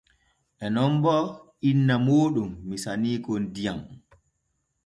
En non bo inna mooɗon misaniikon diyam.